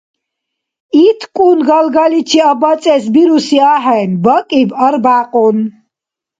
ИткӀун галгаличи абацӀес бируси ахӀен бакӀиб-арбякьун!